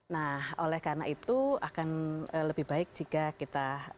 nah oleh karena itu akan lebih baik jika kita